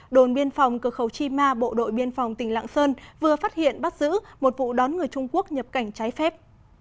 đồn biên phòng cửa khẩu chi ma bộ đội biên phòng tỉnh lạng sơn vừa phát hiện bắt giữ một vụ đón người trung quốc nhập cảnh trái phép